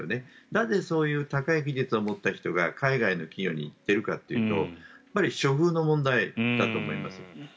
なぜそういう高い技術を持った人が海外の企業に行っているかというと処遇の問題だと思います。